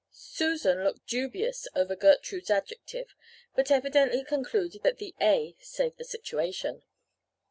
"Susan looked dubious over Gertrude's adjective, but evidently concluded that the 'a' saved the situation.